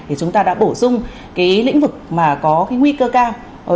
thì chúng ta đã bổ sung cái lĩnh vực mà có cái nguy cơ cao